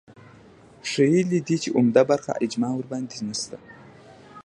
ښييلي دي چې عمده برخه اجماع ورباندې نشته